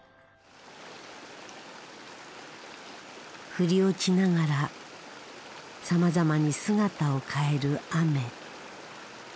降り落ちながらさまざまに姿を変える雨。